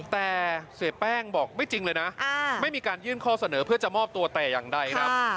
แต่เสียแป้งบอกไม่จริงเลยนะไม่มีการยื่นข้อเสนอเพื่อจะมอบตัวแต่อย่างใดครับ